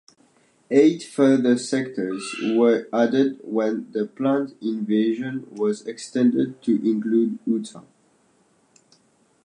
Eight further sectors were added when the planned invasion was extended to include Utah.